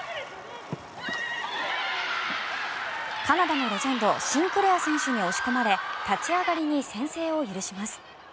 カナダのレジェンドシンクレア選手に押し込まれ立ち上がりに先制を許します。